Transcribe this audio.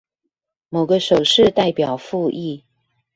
某個手勢代表覆議